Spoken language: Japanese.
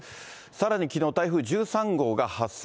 さらにきのう、台風１３号が発生。